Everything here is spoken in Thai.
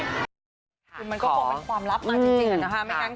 คือมันก็คงเป็นความลับมาจริงนะคะ